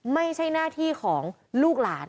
ไม่ใช่หน้าที่ของลูกหลาน